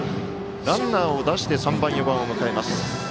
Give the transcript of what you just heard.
ランナーを出して３番、４番を迎えます。